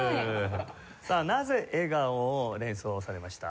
さあなぜ「笑顔」を連想されました？